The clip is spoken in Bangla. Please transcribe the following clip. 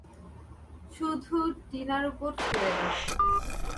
শুধু টিনার উপর ছেড়ে দাও।